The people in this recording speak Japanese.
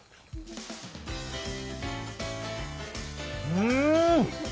うん！